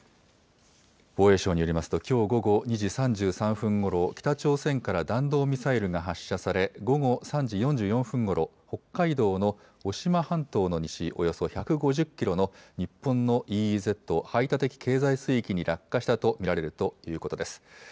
防衛省によりますと、きょう午後２時３３分ごろ、北朝鮮から弾道ミサイルが発射され、午後３時４４分ごろ、北海道の渡島半島の西およそ１５０キロの日本のＥＥＺ・排他的経済水域に落下したと見られるということです。